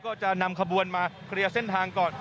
ก็จะนำขบวนมาเคลียร์เส้นทางก่อน